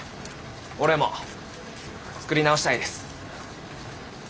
俺も作り直したいです。